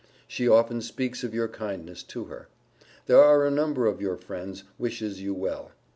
She often speaks of your kindness to her. There are a number of your friends wishes you well.